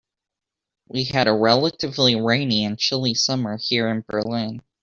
We had a relatively rainy and chilly summer here in Berlin.